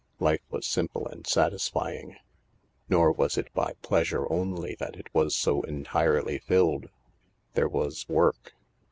Life was simple and satisfying. Nor was it by pleasure only that it was so entirely filled. There was work.